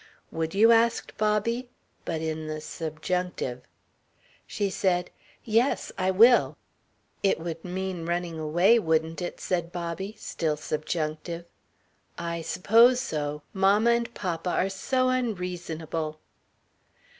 "Would you?" asked Bobby but in the subjunctive. She said: "Yes. I will." "It would mean running away, wouldn't it?" said Bobby, still subjunctive. "I suppose so. Mamma and papa are so unreasonable."